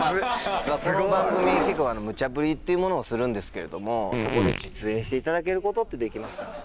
この番組結構むちゃぶりっていうものをするんですけどここで実演していただけることってできますかね？